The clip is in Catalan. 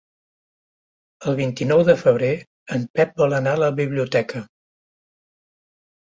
El vint-i-nou de febrer en Pep vol anar a la biblioteca.